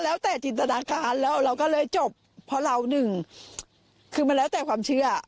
แล้วแต่จินตนาการแล้วเราก็เลยจบเพราะเราหนึ่งคือมันแล้วแต่ความเชื่อ